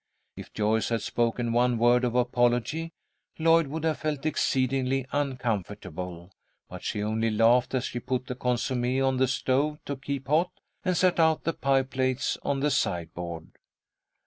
If Joyce had spoken one word of apology, Lloyd would have felt exceedingly uncomfortable, but she only laughed as she put the consommé on the stove to keep hot, and set out the pie plates on the sideboard.